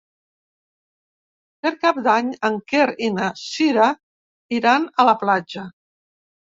Per Cap d'Any en Quer i na Cira iran a la platja.